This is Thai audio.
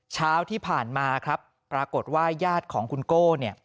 เช้าที่ผ่านมาครับปรากฏว่าญาติของคุณโก้เนี่ย